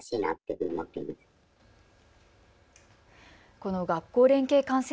この学校連携観戦